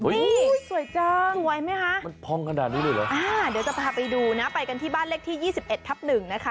สวยจังสวยไหมคะมันพองขนาดนี้เลยเหรออ่าเดี๋ยวจะพาไปดูนะไปกันที่บ้านเลขที่๒๑ทับ๑นะคะ